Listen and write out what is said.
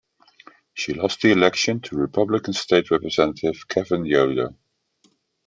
She lost the election to Republican State Representative Kevin Yoder.